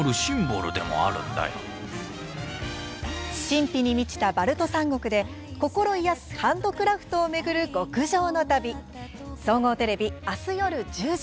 神秘に満ちたバルト三国で心癒やすハンドクラフトを巡る極上の旅。